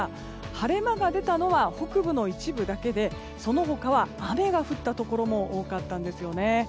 晴れ間が出たのは北部の一部だけでその他は雨が降ったところも多かったんですよね。